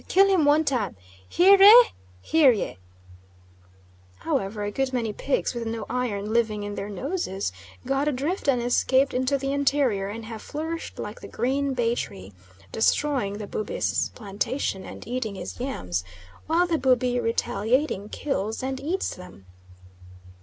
Kill him one time. Hear re! hear re!" However a good many pigs with no iron living in their noses got adrift and escaped into the interior, and have flourished like the green bay tree, destroying the Bubi's plantation and eating his yams, while the Bubi retaliating kills and eats them.